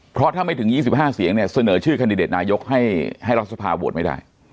เพราะถ้าไม่ถึง๒๕เสียงเนี่ยเสนอชื่อแคนดิเดตนายกให้รัฐสภาโหวตไม่ได้